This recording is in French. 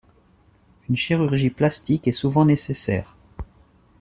Une chirurgie plastique est souvent nécessaire.